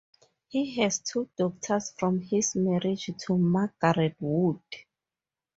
He has two daughters from his marriage to Margaret Wood.